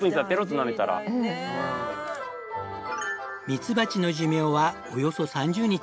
ミツバチの寿命はおよそ３０日。